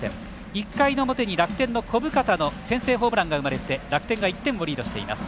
１回の表に楽天の小深田の先制ホームランが生まれて楽天が１点をリードしています。